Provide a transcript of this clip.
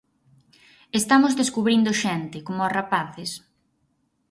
Estamos descubrindo xente, coma os rapaces.